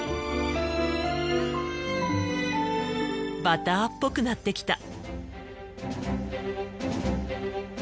バターっぽくなってきた。